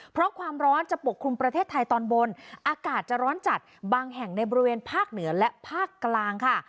เพราะความร้อนจะปกคลุมประเทศไทยตอนบนอากาศจะร้อนจัดบางแห่งในบริเวณภาคเหนือและภาคกลางค่ะ